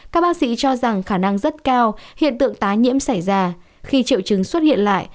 các bác sĩ cho rằng khả năng rất cao hiện tượng tái nhiễm xảy ra khi triệu chứng xuất hiện lại